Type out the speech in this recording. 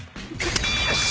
よし。